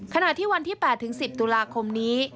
ขณะที่วันที่๘๑๐ตุลาคมนี้